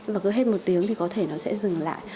và cứ hết một tiếng thì có thể nó sẽ dừng lại